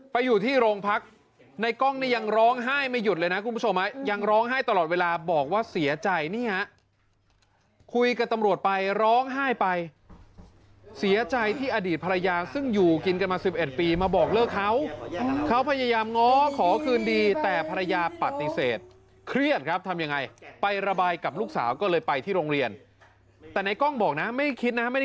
ไปอยู่ที่โรงพักในกล้องนี่ยังร้องไห้ไม่หยุดเลยนะคุณผู้ชมยังร้องไห้ตลอดเวลาบอกว่าเสียใจนี่ฮะคุยกับตำรวจไปร้องไห้ไปเสียใจที่อดีตภรรยาซึ่งอยู่กินกันมา๑๑ปีมาบอกเลิกเขาเขาพยายามง้อขอคืนดีแต่ภรรยาปฏิเสธเครียดครับทำยังไงไประบายกับลูกสาวก็เลยไปที่โรงเรียนแต่ในกล้องบอกนะไม่คิดนะไม่ได้